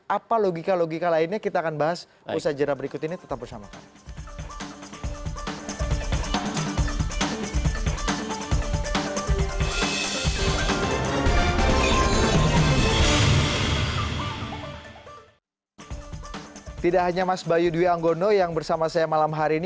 apa logika logika lainnya kita akan bahas usaha jadwal berikut ini tetap bersama kami